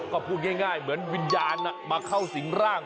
ก็พูดง่ายเหมือนวิญญาณมาเข้าสิงร่าง